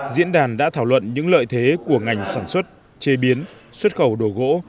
diễn đàn đã thảo luận những lợi thế của ngành sản xuất chế biến xuất khẩu đồ gỗ